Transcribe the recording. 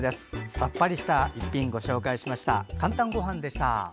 さっぱりした一品ご紹介しました。